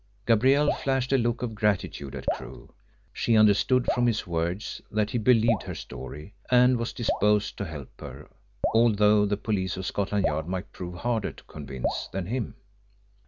Gabrielle flashed a look of gratitude at Crewe. She understood from his words that he believed her story and was disposed to help her, although the police of Scotland Yard might prove harder to convince than him.